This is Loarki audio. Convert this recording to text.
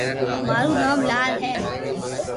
مارو نوم لال ھي